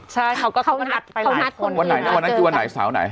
ใช่เขาก็เข้านัดไปหลายคนวันไหนวันไหนสาวไหน